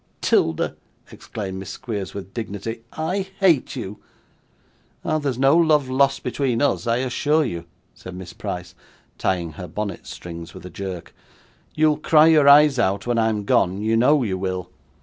''Tilda,' exclaimed Miss Squeers with dignity, 'I hate you.' 'Ah! There's no love lost between us, I assure you,' said Miss Price, tying her bonnet strings with a jerk. 'You'll cry your eyes out, when I'm gone; you know you will.